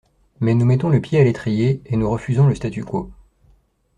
Mais nous mettons le pied à l’étrier, et nous refusons le statu quo.